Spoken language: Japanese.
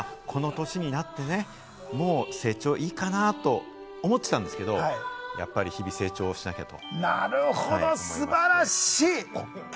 この年になってもう成長いいかなと思ってたんですけれども、やっぱり日々成長しなきゃと。